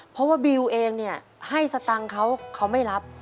เพราะว่าบิวเองเนี่ยให้สตังค์เขาเขาไม่รับ